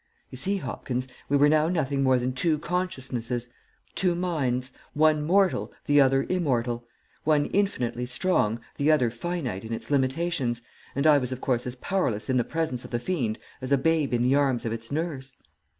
You see, Hopkins, we were now nothing more than two consciousnesses; two minds, one mortal, the other immortal; one infinitely strong, the other finite in its limitations, and I was of course as powerless in the presence of the fiend as a babe in the arms of its nurse.